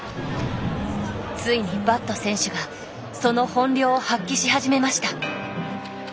ついにバット選手がその本領を発揮し始めました。